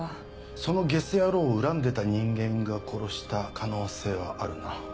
そのゲス野郎を恨んでた人間が殺した可能性はあるな。